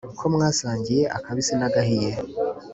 Ko mwasangiye akabisi nagahiye!